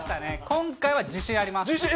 今回は自信あり自信？